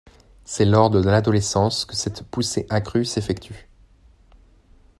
C'est lors de l'adolescence que cette poussée accrue s'effectue.